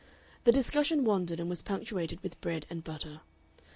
The discussion wandered, and was punctuated with bread and butter.